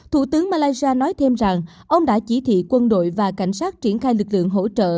thủ tướng malaysia nói thêm rằng ông đã chỉ thị quân đội và cảnh sát triển khai lực lượng hỗ trợ